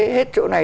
hết chỗ này